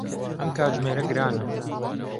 ئەم کاتژمێرە گرانە.